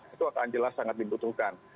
itu akan jelas sangat dibutuhkan